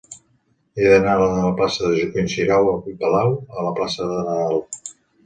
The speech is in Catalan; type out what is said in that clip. He d'anar de la plaça de Joaquim Xirau i Palau a la plaça de Nadal.